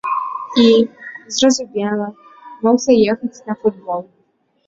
І, зразумела, мог заехаць на футбол.